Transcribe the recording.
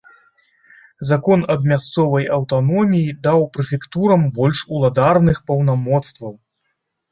Закон аб мясцовай аўтаноміі даў прэфектурам больш уладарных паўнамоцтваў.